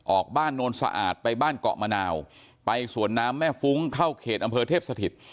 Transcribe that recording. ออกบ้านโนนสะอาดไปบ้านเกาะมะนาวไปสวนน้ำแม่ฟุ้งเข้าเขตอำเภอเทพสถิต